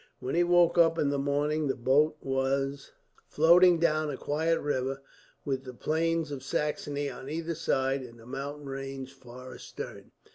When he woke up in the morning the boat was floating down a quiet river, with the plains of Saxony on either side, and the mountain range far astern.